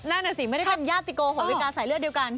นั่นน่ะสิไม่ได้เป็นญาติโกโหลิกาสายเลือดเดียวกัน